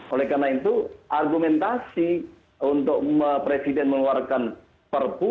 oleh karena itu argumentasi untuk presiden mengeluarkan perpu